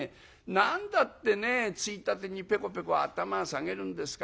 何だってね衝立にペコペコ頭下げるんですか？」。